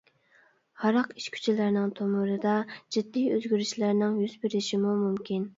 ھاراق ئىچكۈچىلەرنىڭ تومۇرىدا جىددىي ئۆزگىرىشلەرنىڭ يۈز بېرىشىمۇ مۇمكىن.